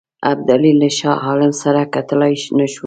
ابدالي له شاه عالم سره کتلای نه شو.